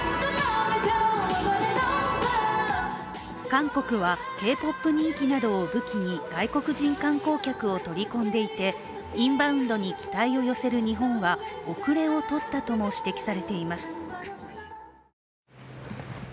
韓国はＫ−ＰＯＰ人気などを武器に外国人観光客を取り込んでいてインバウンドに期待を寄せる日本は後れをとったとも指摘されています。